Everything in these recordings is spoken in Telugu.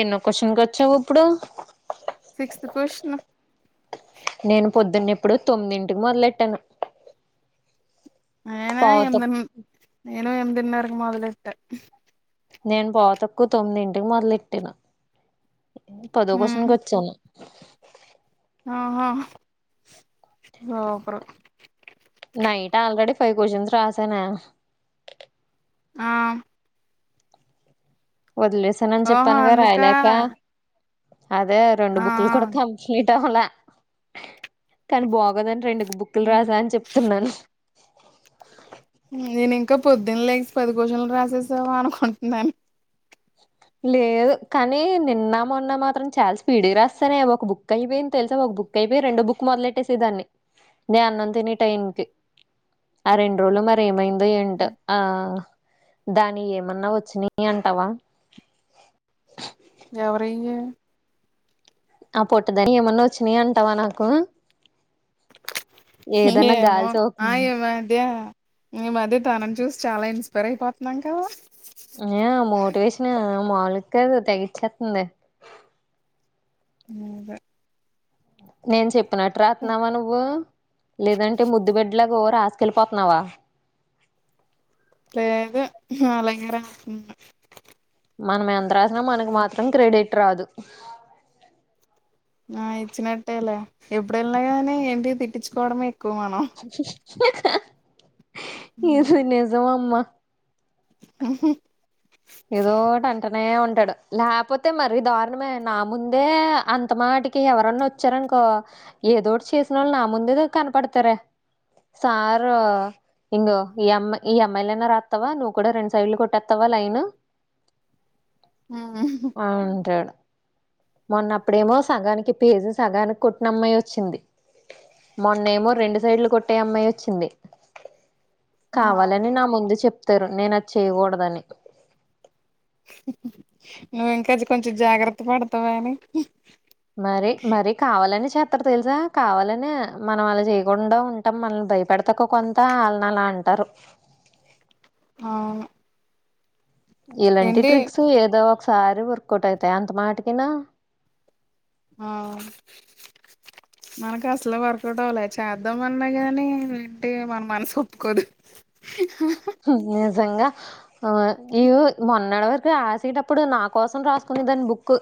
ఎన్నో క్యూషన్ కి వచ్చావు ఉప్పుడు సిక్స్త్ క్యూస్షన్ నేను పొద్దున్న ఎప్పుడు తొమ్మిదింటికి మొదలెట్టాను నేనే పోత ఎనిమిది నేను ఎమిదిన్నరకు మోదలెట్ట నేను పావుతక్కువ తొమ్మిది ఇంటికి మొదలలెట్టిన పదో ఉమ్ క్యూస్షన్ వచ్చాను హా super night already five question రాస ఆ వదిలేసానని ఓహో చెప్పానుగా అందుకా రాయలేక అదే రెండు ఆ ఆ బుక్లు కూడా కంప్లీట్ అవ్వల కానీ బాగోదని రెండు బుక్కులు ఉమ్ రాసా అని చెప్తున్నాను నేను ఇంకా పొద్దున లే పది క్యూస్షన్ రాసేసావా అనుకుంటున్నాను లేదు కానీ నిన్న మొన్న మాత్రం చాలా స్పీడ్గా రాస్తానే ఒక బుక్ అయిపోయింది తెలుసా ఒక బుక్ అయిపోయి రెండు బుక్ మొదలెట్టేసే దాన్ని నే అన్నం తినే టైం కి ఆ రెండు రోజలు మరి ఏమై దో ఏంటో ఆ దాని ఏమన్నా వచ్చినయి అంటావా ఎవరివి ఆ పొట్టిదని ఏమన్నా వచ్చినయి అంటావా నాకు ఏదన్నా ఏమో గాలి ఆ సోకుతుంది ఈ మధ్య మేము అదే తననీ చూసి చాలా ఇన్స్పైర్ అయిపోతున్నాం కదా ఆ మోటివేషన్ మాలుగా కాదు తెగ ఇచ్చేతుంది ఇంగ నేను చెప్పినట్టు రాతున్నావా నువ్వు లేదంటే ముద్దు బిడ్డలాగా రా ఎల్లిపోతున్నావ లేదు అలాగే రాస్తున్న మనం ఎంత్రాసినా మనకు మాత్రం క్రెడిట్ రాదు ఆ ఇచ్చినట్టేలే ఎప్పుడన్నగా ఏంటి తిట్టిచ్చుకోవడమే ఎక్కువ మనం ఇది నిజము అమ్మ ఉహు నే ఉంటాడు లాపోతే మరి దారుణమే నా ముందే అంత మాటికి ఎవరన్నా వచ్చారను ఏదోటి చేసిన వాళ్ళు నా ముందే కనపడతారే సారు ఇందు ఈ అమ్మ ఈ అమ్యిలనా రాతవ నువ్ కూడాడా రెండ్ సైడ్లు కొట్టేత్తవ లైను ఉమ్ ఆ అంటాడు మొన్నప్పుడేమో సగానికి పేజు సగానికి కొట్టినమ్మాయి వచ్చింది మొన్నేమో రెండు సైడ్లు కొట్టే అమ్మాయి వచ్చింది ఆ కావాలని నా ముందు చెప్తారు నేను అది చేయకూడదని నువ్వు ఇంకా అది కొంచెం జాగ్రత్త పడతావ అని మరి మరి కావాలని చెప్ అక్క తెలుసా కావాలని మనం అలా చేయకుండా ఉంటాం మనల్ని భయపెడతాకు కొంత అలాన అలా అంట్ తరు ఆవును ఇలాంటి ట్రిక్స్ ఏదో ఒకసారి వర్కౌట్ అయితాయి అంత మాటకినా ఆ మనకు అసలు వర్కౌట్ అవ్వాలి చేద్దాం అన్నా గాని ఏంటి మన మనసు ఒప్పుకోదు నిజంగా ఆ ఇగో మొన్నడి వరకు రాసేటప్పుడు నా కోసం రాసుకునే దాని బుక్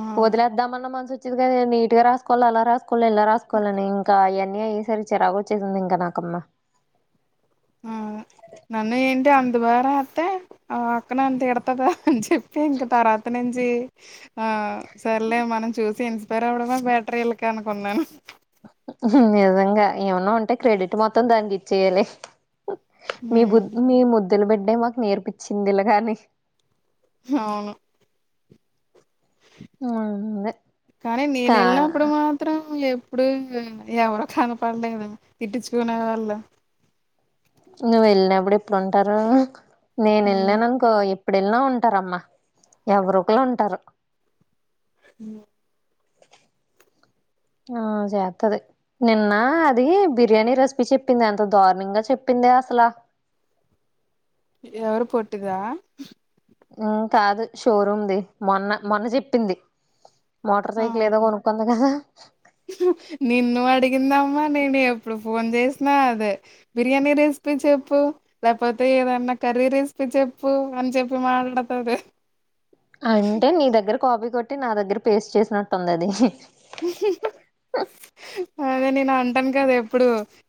ఆ వదిలేద్దామన్న మనస్ చీల్ గని ఇగ నీటిగా రాసుకోవాలి అలా రాసుకోవాలి ఇలా రాసుకోవాలని ఇంకా అయ్యన్నీ అయ్యేసరికి చిరాకోచ్చేసింది ఇంకా నాకమ్మ అంటే అంత భాగా అసితే ఆ అక్క నన్ను తిడుతదా అని చెప్పి ఇంక తర్వాత నుంచి ఆ సరేలే మనం చూసి ఇన్స్పైర్ అవ్వడమే బెటర్ ఇళ్లకి అనుకున్నాను నిజంగా ఏమన్నా ఉంటే క్రెడిట్ మొత్తం దానికి ఇచ్చేయ్యలి మీ బు ఉమ్ మీ ముద్దుల బిడ్డే మాకు నేర్పిచ్చింది ఇలాగని హవును అదే కానీ నేను కా వెళ్ళినప్పుడు మాత్రం కు ఎప్పుడు ఎవరు కనపడలేదు తిట్టిచుకునే వాళ్ళు ఇంగ వెళ్ళినప్పుడు ఎప్పుడుంటారు నేను ఉమ్ వెళ్ళినానుకో ఇప్పుడేన్నో ఉంటారమ్మా ఎవరో ఒకలుంటారు హుమ్ ఆ చేస్తది నిన్న అది బిర్యానీ రెసిపీ చెప్పింది ఎంత దారుణంగా చెప్పిం దే అసలా ఎవరు పోట్టి దా కాదు షోరూమ్దిి మొన్న మొన్న చెప్పింది మోటార్ ఆ సైకిల్ ఏదో కొనుక్కుంది కదా నిన్ను అడిగిందమ్మా నేను ఎప్పుడు ఫోన్ చేసినా అదే బిర్యానీ రెసిపీ చెప్పు లేకపోతే ఏదన్నా క కరీ రెసిపి చెప్పు అని చెప్పి మాట్డడ్తంది అంటే నీ దగ్గర కపీ కొట్టి నా దగ్గర పేస్ట్ చేసినట్టుంది అది ఇప్పుడు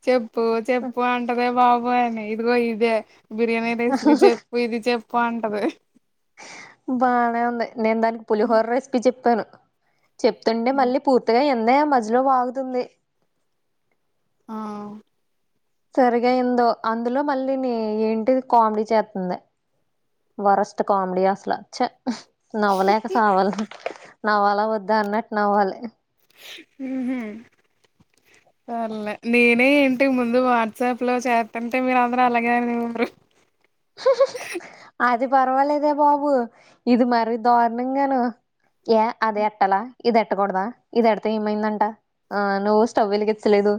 చెప్పు చెప్పు అంటదే బాబో అని ఇదిగో ఇదే బిర్యానీ రెసిపీ చెప్పు ఇది చెప్పు అంటది బానే ఉంది నేను దానికి పులిహోర రెసిపీ చెప్పాను చెప్తుంటే మళ్ళీ పూర్తిగా ఇందే మధ్యలో వాగుతుంది ఆ సరిగాయిందు అందులో మళ్ళీ ని ఏంటి కామెడీ చేస్తుంది వరస్ట్ కామెడి ఆసలాచ్చ నవ్వలేక సావాల్ నవ్వాలా వద్దా అన్నట్టు నవ్వాలి మ్ హు సర్లే నేనే ఏంటి ముందు వాట్సాప్ లో చేతుంటే మీరు అందరు అలాగే అనేవరు అది పర్వాలేదే బాబు ఇది మరి దారుణంగాను ఏ అదే ఎట్టాల ఇది ఎట్టకూడదా ఇది ఎడితే ఏమైందంట ఆ నువ్వు స్టవ్ వెలికిచ్చలేదు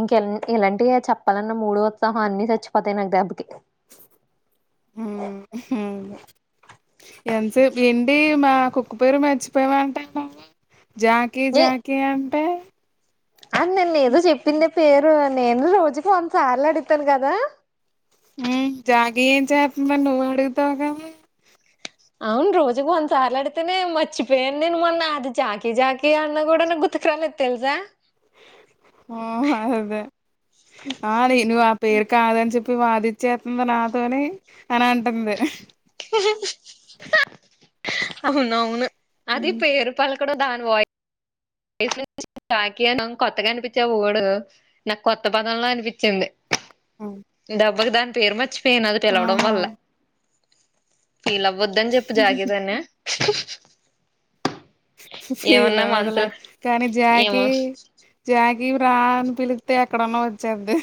ఇంకెన్ ఎలాంటి చెప్పాలన్న మూడ ఉత్సాహం అన్ని చచ్చిపోతాయి నాకు దెబ్బకి మ్ అవును ఎంతసేపు ఏంటి మా కుక్క పేరు మర్చిపోయ అంటాందమ్మా జాకి ఏ జాకి అంటే అది నేన్న ఏదో చెప్పిందే పేరు నేను రోజుకి వందసార్లు అడుగుతాను కదా మ్ జాకి ఏం చేస్తుంది అని నువ్వు అడుగుతావ్ కాదె అవును రోజుకు వందసార్లు అడుగుతనే మర్చిపోయాను నేను మొన్న అది జాకిీ జాకి అన్న కూడా గుర్ ర్త్తు కురాలేదు తెల్సా మ్ అదే ఆ నిను ఆ పెరు కదాన్ చెప్ వాదిచ్చేతుంది నాతోని అని అంటుంది అవునవును అది పెరు పాల్ కూడా దాని వాయి [unintelligible] జాకీ అని కొత్తగా అనిపించే ఆ వార్డ్ నాకు కొత్త పదంల అనిపిచింది ఆ ఓదు దాని పేరు మచ్చిపోయిన అది పిలువడం వాళ్ల ఫీలవద్దు అని చెప్పు జాగీదనే ఫీల్ అవ్వదులే కానీ ఏమో జాకి జ కాకి వు రా అని పిలికితే ఎక్కడున్నా వచ్చేది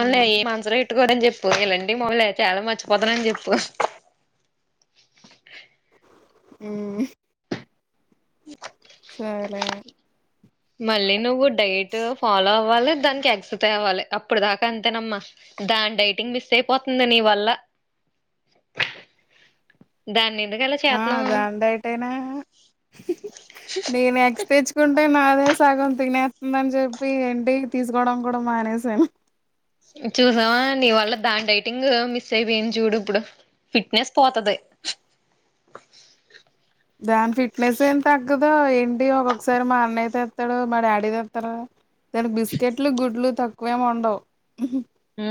ఉన్నాయి మనసురేట్ పట్టుకోరు అని చెప్పు ఎలాండి మాములే చాలా మర్చిపోతారని చెప్పు ఉ ఇ సరే లేే మళ్ళీ నువ్వు డైట్ ఫాలో అవ్వాలి దానికి ఎగ్స్ తేవాలి అప్పుడు దాకా అంతేనమ్మా దాని డైటింగ్ మిస్ అయిపోతుంది నీ వల్ల దాన్ని ఎందుకు అలా ఆ చేతున్నావు దందు అంయిటైనా నేను ఎగ్స్ తెచ్చుకుం అంటే నాదే సాగం తినేస్తుందని చెప్పి ఏంటి తీసుకోవడం కూడా మానేసాను చూసావా నీ వాళ్ళ దాని డైటింగ్ మిస్ అయిపోయింది చూడు ఇప్పుడు ఫిట్నెస్ పోతది దాని ఫిట్నెస్ ఏం తగ్గదో ఏంటి ఒక్కొక్కసారి మా అన్నయ్య తేస్తాడు మా డాడీ తేస్తారు దానికి బిస్కెట్లు గుడ్లు తక్కువేము ఉండవు ఉ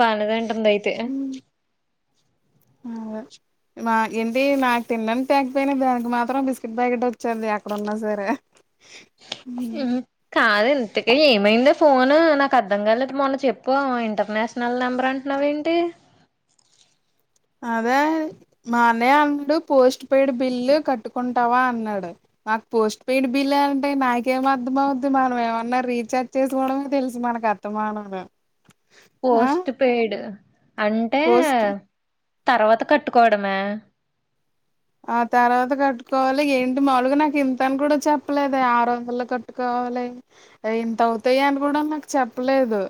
బానేదంటుంది అయితే అవునా మా ఏంటి నాకు తినడానికి తేకపోయినా దానికి మాత్రం బిస్కెట్ బ్యాకెట్ వచ్చేది ఎక్కడున్నా సరే ఇల్ కాదే ఇంతకి ఏమైందో ఫోన్ నాకు అర్థం కాలేదు మొన్న చెప్పు ఇంటర్నేషనల్ నెంబర్ అంటున్నావు ఏంటి ఏ అదే మా అన్నయ్య అండు పోస్ట్ పెయిడ్ బిల్లు కట్టుకుంటావా అన్నాడు నాకు పోస్ట్ పెయిడ్ బిల్ అంటే నాకు ఏం అర్ధం అవుద్ది మనం ఏమన్నా రీఛార్జ్ చేసుకోవడమే తెలుసు మనక్ కర్తమానం రా పోస్ట్ పెయిడ్ అంటే పోస్ట్ తర్వాత కట్టుకోవడమే ఆ తర్వాత కట్టుకోవాలి ఏంటి మాములుగా నాకు ఇంత అని కూడా చెప్పలేదే ఆరు వందలు కట్టుకో కోవాలి ఇంత అవుతాయి అని కూడా నాకు చెప్పలేదు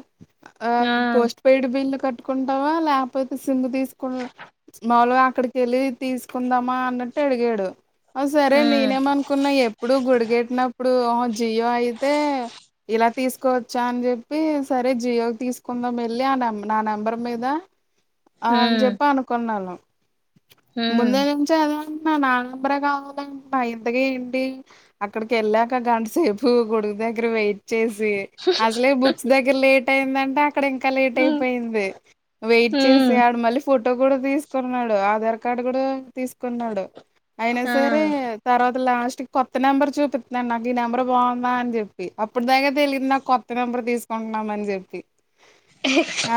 ఆ పోస్ట్ పెయిడ్ బిల్లు కట్టుకుంటావా లేకపోతే సిమ్ తీసుకొను మాములుగా అక్కడికెళ్ళి తీసుకుందామా అన్నట్టు అడిగాడు ఆ సరే ఉమ్ నేనేమనుకున్నా ఎప్పుడు గుడికెట్టినప్పుడు జియో అయితే ఇలా తీసుకోవచ్చా అని చెప్పి సరే జియోకి తీసుకుందాం వెళ్ళి ఆ నంబ్ నా నెంబర్ మీద ఆన్ జెప్ప అనుకున్నాను హూ ఓనా నా నెంబర్ కావాలంటన్నా ఇంతకి ఏంటి అక్కడికెళ్ళాక గంట సేపు గోడుకు దగ్గర వెయిట్ చేసి అసలే బుక్స్ దగ్గర లేట్ అయిందంట అక్కడ ఇంకా లేట్ ఉమ్ అయిపోయింది వెయిట్ ఉమ్ చేసి ఆడు మళ్ళీ ఫోటో కూడా తీసుకున్నాడు ఆధార్ కార్డు కూడా తీసుకున్నాడు అయినా ఆ సరే తర్వాత లాస్ట్ తీక్ కొత్త నెంబర్ చూపిత్తున్నాను నాకు ఈ నెంబర్ బాగుందా అని చెప్పి అప్పటి దాక తెలియదు నాకు కొత్త నెంబర్ తీసుకు ఉన్నాం అన్ జేప్పి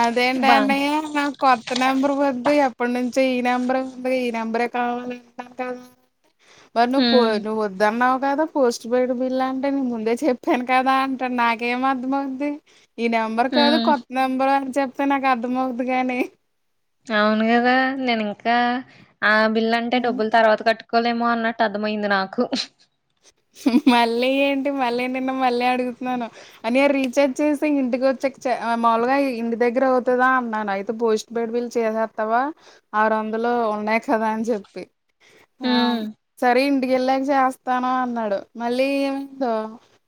అదేంటండి బానే నా కొత్త నెంబర్ వద్దు ఎప్పడు నుం చీ ఈ నెంబర్ బీ నెంబరే కావలంట కద మరి నుపో ఉమ్ నువ్వు వద్దున్నావ్ కదా పోస్ట్ పెయిడ్ బిల్ అంటే నేను ముందే చెప్పాను కదా అంటన్న నాకేం అర్ధం అవ్వుది ఈ నెంబర్ కాదు ఉమ్ కొత్త నెంబరు అని చెప్తే నాకు అర్థం అవ్వుద్ది గాని అవును గదా నేను ఇంకా ఆ బిల్ అంటే డబ్బులు తర్వాత కట్టు క్కలేమో అన్నట్టు అర్థమైంది నాకు ఉఫ్ హు హు మళ్ళీ ఏంటి మళ్ళీ నిన్న మళ్ళీ అడుగుతున్నాను అన్నయ రీఛార్జ్ చేసి ఇదిగో చ ఛ మాములుగా ఇంటి దగ్గర అవుతదా అన్నాను అయితే పోస్ట్ బేడ్ బిల్ చేసేస్తవా అరువందాలు ఉన్నాయి కదా అని చెప్పి ఉమ్ సరే ఇంటికి వెళ్ళాక చేస్తా స్తాను అన్నాడు మళ్ళీ ఏమైందో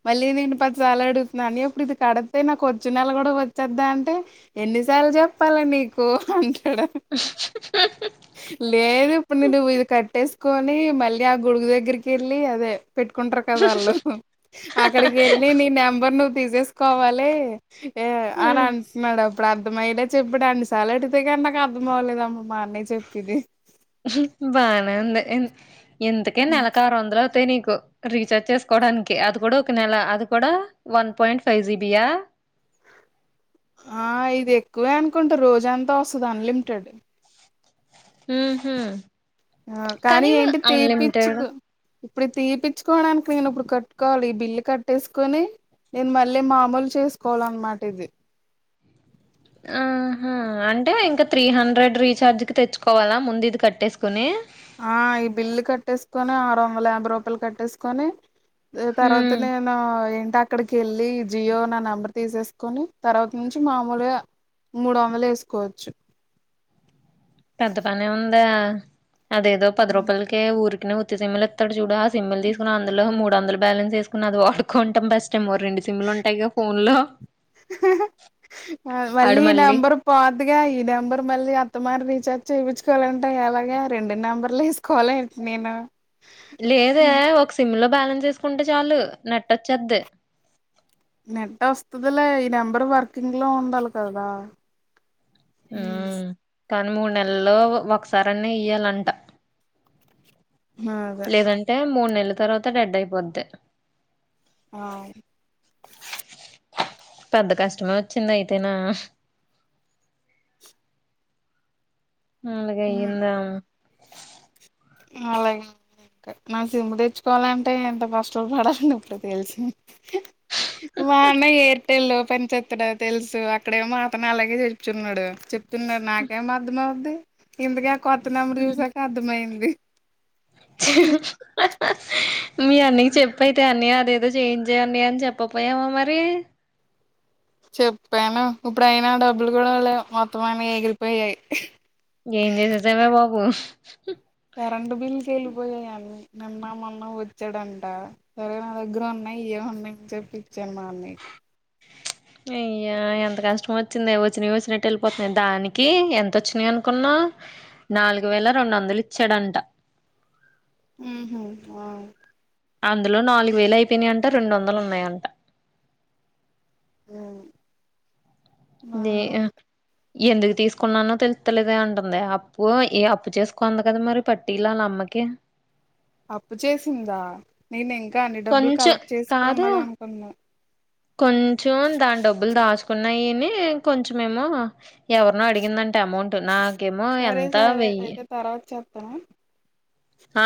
మళ్ళీ నేను పదిసార్లు అడుగుతున్నాని ఇప్పుడు ఇది కరక్ట్ నా కొర్చ్చు నెల కూడా వచ్చెద్దా అంటే ఎన్నిసార్లు చెప్పాలి నీకు ఉహు అంటే [inaudible] కొనీ మళ్ళీ ఆ గొడుగు దగ్గరికి వెళ్ళి అదే పెట్టుకుంటారు కదా వాళ్ళు ఉహు అక్కడికి వెళ్ళి నీ నెంబర్ నువ్వు తీసేసుకోవాలి ఏ అని ఉమ్ అంనినడు ఇప్పుడు అర్థమయ్యేల చెప్పడండి సార్లు అడితే కానీ నాకు అర్థం అవ్వలేదుమ్మ మా అన్నయ్య చెప్పేది ఉహు బానే ఉంది ఇంత్ ఇంతకి నెలకు ఆరువందలు అవుతాయి నీకు ఓ రీచార్జ్ చేసుకోవడానికి అది కూడా ఒక నెల అది కూడా వన్ పాయింట్ ఫైవ్ జీబియా ఆ ఇది ఎక్కువే అనుకుంటా రోజ అంతా వస్తుంది అన్లిమిటెడ్ ఉ హు ఆ కానీ ఏంటి తీపిచ్చుకు ఇప్పుడు తీపిచ్చుకోవడానికి నేను ఇప్పుడు కట్టుకోవాలి ఈ బిల్ కట్టేసుకొని నేను మళ్ళీ మామూలు చేసుకోవాలన్నమాట ఇది ఆహా అంటే ఇంకా త్రీహండ్రెడ్ రీచార్జ్కి తెచ్చుకోవాల ముందు ఇది కట్టేసుకుని ఆ ఈ బిల్లు కట్టేసుకొని ఆరువందల యాభై రూపాయలు కట్టేసుకొని దె తర్వాత ఉమ్ నేను ఏంట్ అక్కడికి వెళ్ళి జియో నా నెంబర్ తీసేసుకొని తర్వాత నుంచి మామూలుగా మూడు వందలు ఏసుకోవచ్చు పెద్ద పనే ఉందా అదేదో పది రూపాయలకే ఊరి ఉత్తి సిమ్ల్ ఇస్తాడు చూడా ఆ సిమ్ల్ తీసుకు అందులో మూడుంద బ్యాలెస్ వేకుని అది వాడుకుంటాం బస్ట్ మమో రెండి సిమ్లు ఉంటాయి క ఫోన్ లో మళ్ళీ ఈ నంబర్ పోదుగా ఈ నెంబర్ మళ్ళీ అత్తమారి చూపించుకోవాలంటే ఎలాగే రెండు నెంబర్లు వేసుకోవాల ఏంటి నేను లేద ఒక సిమ్ లో బ్యాలెన్స్ వేసుకుంటే చాలు నెట్ వొచ్చేతది నెట్ వస్తుదిలే ఈ నెంబరు వర్కింగ్ లో ఉండాలి కదా ఉ ఉమ్, కానీ మూడు నెలల్లో ఒకసార అన్న ఇయ్యాలంట అదే లేదంటే మూడు నెలల తర్వాత డెడ్ అయిపోది ఆ పెద్ద కష్టమే వచ్చింది అయితేనా ఉందుకయందా హాయ్ నా సిమ్పు తెచ్చుకోవాలంటే ఎంత కష్టలు పడాలండి ఇప్పుడు తెలిసి వ మ ఏ ట్టెళ్ళ పని చెత్తడా తెలుసు అక్కడే మాత్రను అలాగే చెప్ున్నాడు చెడు చెతున్నారు నాకేం అర్థం అవద్ది ఇందుకే కొత్త నెంబరు చూసాక అర్థంమయంది మీ అన్నకి చెప్పైతే అన్నయ అదేదో చేయించేయడి అని చెప్పపోయామా మరి చెప్పాను ఇప్పుడు అయినా డబ్బులు కూడా మొత్తం స మన ఏగిరిపోయయి ఏం చేసేసావే బాబు కరెంటు బిల్ క వెళ్ళిపోయాయిని నిన్న మొన్న వచ్చాడంట సరే నా దగ్గర ఉన్నా అయ్యో మీకు చూపిచ్చనని అయ్యో ఎంత కష్టం వచ్చింది. వచ్చినవి వచ్చినట్టు వెళ్ళిపోతున్నాయి. దానికి ఎంత వచ్చినయి అనుకున్నావూ నాలుగు వేల రెండు వందలు ఇచ్చాడంట ఉహ్ ఆ అందులో నాలుగు వేలు అయిపోయినాయంట రెండు వందలు ఉన్నాయంట హ్ మ దే [unintelligible] ఎందుకు తీసుకున్నానో తెలుత్తలేదే అంటుంది. అప్పు ఏ అప్పు చేసి కోంది కదా మరి పట్టిలు అల్ల అమ్మకి అప్పు చేసిందా నేను ఇంకా అన్ని డబ్బులు కొంచెం కలెక్ట్ కాదు చేసుకున్నద అనుకున్నా కొంచెం దాని డబ్బులు దాచుకున్నాయి. అని కొంచెం ఏమో ఎవరినో అడిగిందంట అమౌంట్ నాకేమో ఎంత వెయ్యి అ ఆ